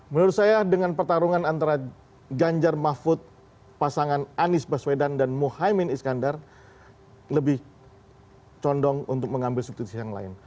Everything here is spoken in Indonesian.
menurut saya dengan pertarungan antara ganjar mahfud pasangan anies baswedan dan muhaymin iskandar lebih condong untuk mengambil substitusi yang lain